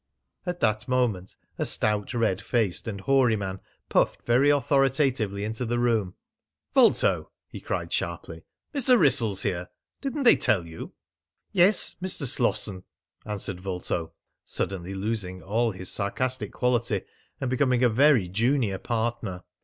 At that moment a stout, red faced, and hoary man puffed very authoritatively into the room. "Vulto," he cried sharply, "Mr. Wrissell's here. Didn't they tell you?" "Yes, Mr. Slosson," answered Vulto, suddenly losing all his sarcastic quality and becoming a very junior partner.